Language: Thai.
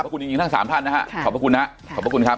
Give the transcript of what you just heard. ขอบคุณจริงทั้งสามท่านนะฮะขอบคุณนะขอบคุณครับ